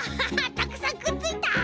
たくさんくっついた！